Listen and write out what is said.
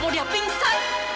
mau dia pingsan